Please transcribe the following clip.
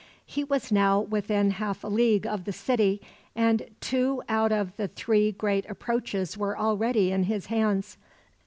He was now within half a league of the city, and two out of the three great approaches were already in his hands.